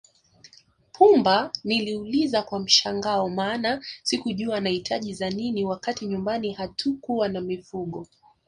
Pumba niliuliza kwa mshangao maana sikujua anahitaji za nini wakati nyumbani hatukuwa na mifugo